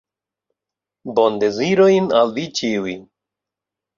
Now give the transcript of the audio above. Bondezirojn al vi ĉiuj!